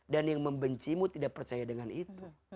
dan yang membencimu tidak percaya dengan itu